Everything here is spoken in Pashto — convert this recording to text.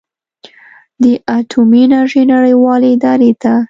د اټومي انرژۍ نړیوالې ادارې ته